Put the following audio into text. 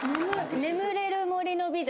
『眠れる森の美女』